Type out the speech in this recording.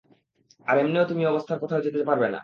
আর এমনে ও তুমি এ অবস্থায় কোথাও যেতে পারবে না।